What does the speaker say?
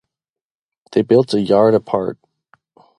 They built a yard part.